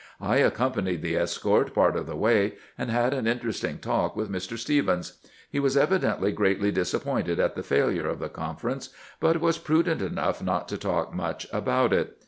I accompanied the escort part of the way, and had an interesting talk with Mr. Stephens. He was evidently greatly disappointed at the failure of the conference, but was prudent enough not to talk much about it.